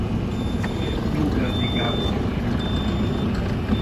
Nógrádi Gábor író fia.